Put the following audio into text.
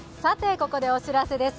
ここでお知らせです。